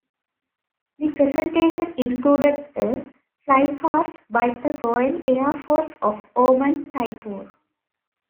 The presentation included a flypast by a Royal Air Force of Oman Typhoon.